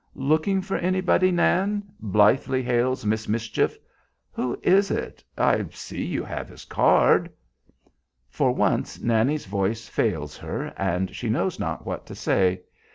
"Looking for anybody, Nan?" blithely hails "Miss Mischief." "Who is it? I see you have his card." For once Nannie's voice fails her, and she knows not what to say.